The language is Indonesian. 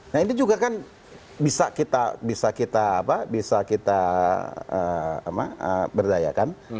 nah ini juga kan bisa kita berdayakan